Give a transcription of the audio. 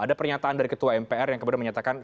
ada pernyataan dari ketua mpr yang kemudian menyatakan